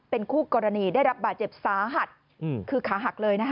เป็นคู่กรณีได้รับบาดเจ็บสาหัสคือขาหักเลยนะคะ